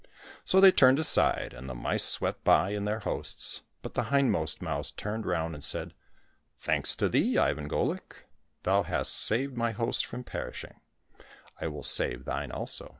" So they turned aside, and the mice swept by in their hosts, but the hindmost mouse turned round and said, " Thanks to thee, Ivan Golik, thou hast saved my host from perishing ; I will save thine also."